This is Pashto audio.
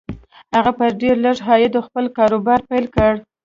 هغه په ډېر لږ عايد خپل کاروبار پيل کړ.